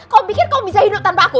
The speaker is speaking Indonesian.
kau pikir kau bisa hidup tanpa aku